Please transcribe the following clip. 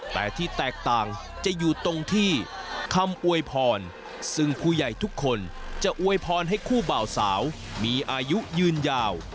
แต่ที่แตกต่างจะอยู่ตรงที่คำอวยพรซึ่งผู้ใหญ่ทุกคนจะอวยพรให้คู่บ่าวสาวมีอายุยืนยาว